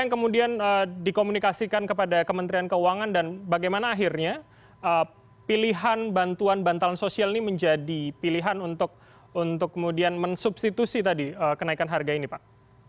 apa yang kemudian dikomunikasikan kepada kementerian keuangan dan bagaimana akhirnya pilihan bantuan bantalan sosial ini menjadi pilihan untuk kemudian mensubstitusi tadi kenaikan harga ini pak